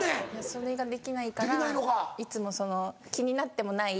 それができないからいつも気になってもない